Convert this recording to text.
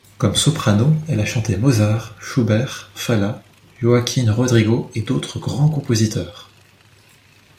Comme soprano, elle a chanté Mozart, Schubert, Falla, Joaquin Rodrigo et d'autres grands compositeurs.